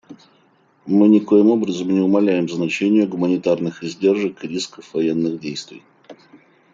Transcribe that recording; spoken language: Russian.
Мы никоим образом не умаляем значения гуманитарных издержек и рисков военных действий.